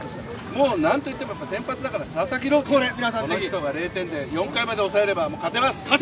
もうなんといっても先発だから佐々木朗希、この人が０点で４回まで抑えれば勝てます！